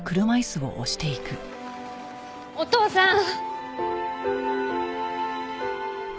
お父さん。